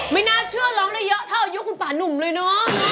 ไม่น่าเชื่อร้องได้เยอะเท่าอายุคุณป่านุ่มเลยเนอะ